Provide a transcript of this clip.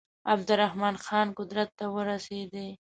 عبدالرحمن خان قدرت ته ورسېدی.